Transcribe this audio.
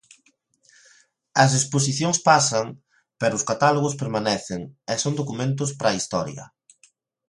As exposicións pasan pero os catálogos permanecen e son documentos para a historia.